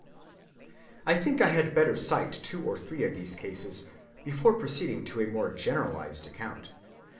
I think I had better cite two or three of these cases before proceeding to a more generalized account.